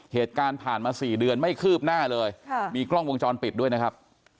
เหตุการณ์ผ่านมา๔เดือนไม่คืบหน้าเลยมีกล้องวงจรปิดด้วยนะครับ